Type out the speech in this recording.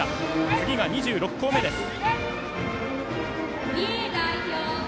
次が２６校目です。